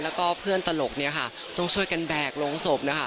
แล้วก็เพื่อนตลกเนี่ยค่ะต้องช่วยกันแบกลงศพนะคะ